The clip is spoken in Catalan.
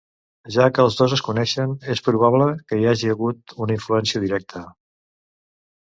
Ja que els dos es coneixien, és probable que hi hagi hagut una influència directa.